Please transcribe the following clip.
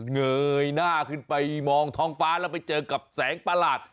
เงยหน้าขึ้นไปมองท้องฟ้าแล้วไปเจอกับแสงประหลาด